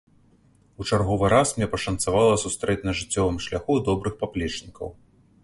У чарговы раз мне пашанцавала сустрэць на жыццёвым шляху добрых паплечнікаў.